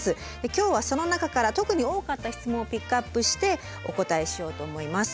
今日はその中から特に多かった質問をピックアップしてお答えしようと思います。